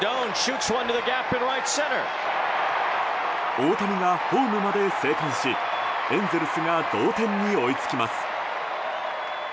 大谷がホームまで生還しエンゼルスが同点に追いつきます。